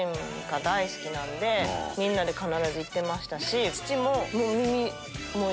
みんなで必ず行ってましたし。